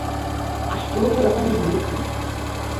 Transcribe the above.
আশ্চর্য রকমের নির্ভুল।